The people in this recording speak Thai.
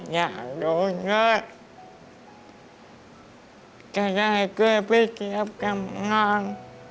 อยากดูด้วยก็ได้ช่วยพี่แจ็คทำงาน